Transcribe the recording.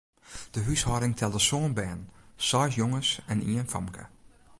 De húshâlding telde sân bern, seis jonges en ien famke.